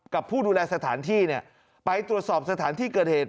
ผู้ดูแลสถานที่เนี่ยไปตรวจสอบสถานที่เกิดเหตุ